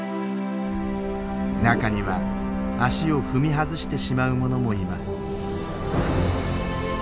中には足を踏み外してしまうものもいます。